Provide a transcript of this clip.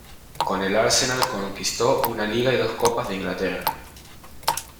Con el Arsenal conquistó una Liga y dos Copas de Inglaterra.